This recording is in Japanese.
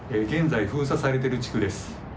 現在、封鎖されている地区です。